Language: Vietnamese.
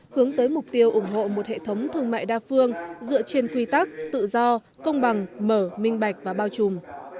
hướng tới mục tiêu ủng hộ một hệ thống thương mại đa phương dựa trên quy tắc tự do công bằng mở minh bạch và bao trùm